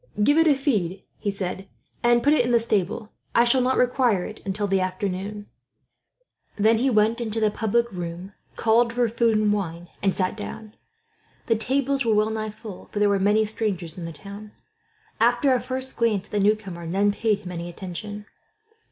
"Give it a feed," he said, "and put it in the stable. I shall not require it until the afternoon." Then he went into the public room, called for food and wine, and sat down. The tables were well nigh full, for there were many strangers in the town. After a first glance at the newcomer, none paid him any attention.